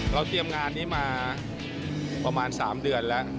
เตรียมงานนี้มาประมาณ๓เดือนแล้ว